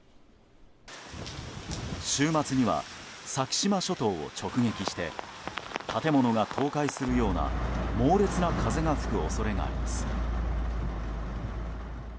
週末には先島諸島を直撃して建物が倒壊するような猛烈な風が吹く恐れがあります。